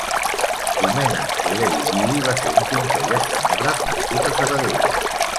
Domènec Soler i Gili va ser un pintor i escenògraf nascut a Sabadell.